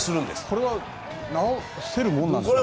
これは直せるものなんですか？